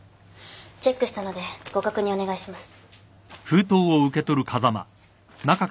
チェックしたのでご確認お願いします。